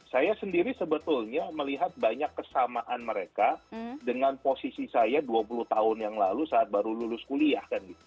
saya sendiri sebetulnya melihat banyak kesamaan mereka dengan posisi saya dua puluh tahun yang lalu saat baru lulus kuliah